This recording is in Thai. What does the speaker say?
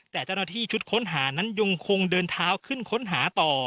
แต่เจ้าหน้าที่ชุดค้นหานั้นยังคงเดินเท้าขึ้นค้นหาต่อ